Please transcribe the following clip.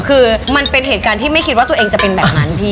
คือมันเป็นเหตุการณ์ที่ไม่คิดว่าตัวเองจะเป็นแบบนั้นพี่